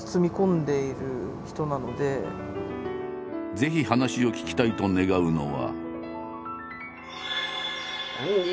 ぜひ話を聞きたいと願うのは。